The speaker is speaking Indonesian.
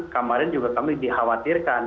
kemarin juga kami dikhawatirkan